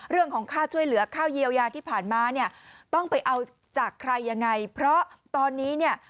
เรื่องของค่าช่วยเหลือค่าเยียวยาที่ผ่านมาเนี่ยต้องไปเอาจากใครยังไงเพราะตอนนี้เนี่ย